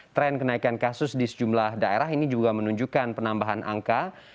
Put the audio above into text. tren kenaikan kasus di sejumlah daerah ini juga menunjukkan penambahan angka